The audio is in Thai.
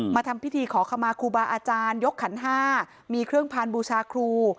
ทำพิธีขอขมาครูบาอาจารยกขันห้ามีเครื่องพานบูชาครู